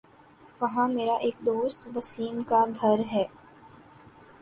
وہاں میر ایک دوست وسیم کا گھر ہے